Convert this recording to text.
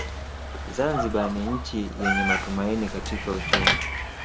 Zanzibar ni nchi yenye matumaini katika uchumi